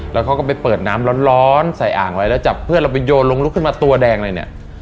แล้วเขาก็ไปเปิดน้ำร้อนใส่อ่างไว้แล้วจับเพื่อนเราไปโยนลงลุกขึ้นมาตัวแดงเลยเนี่ย